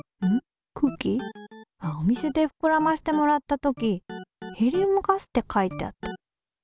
お店でふくらませてもらった時「ヘリウムガス」って書いてあった。